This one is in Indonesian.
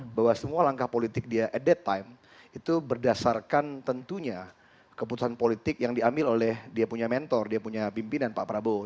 bahwa semua langkah politik dia at the time itu berdasarkan tentunya keputusan politik yang diambil oleh dia punya mentor dia punya pimpinan pak prabowo